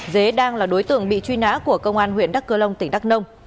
dế đang là đối tượng bị truy nã của công an huyện đắc cơ long tỉnh đắc nông